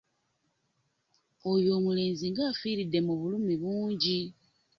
Oyo omulenzi nga afiridde mu bulumi bungi.